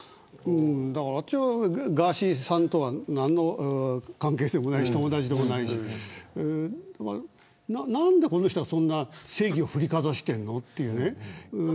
私はガーシーさんとは何の関係性もないし友達でもないけど何でこの人は、そんな正義を振りかざしてるのっていう。